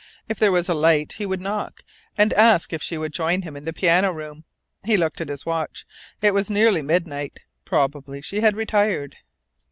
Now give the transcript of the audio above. If there was a light he would knock, and ask her if she would join him in the piano room. He looked at his watch. It was nearly midnight. Probably she had retired.